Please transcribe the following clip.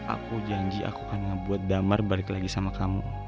aku janji aku karena buat damar balik lagi sama kamu